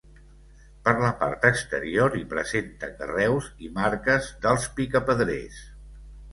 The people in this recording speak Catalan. Per la part exterior hi presenta carreus i marques dels picapedrers.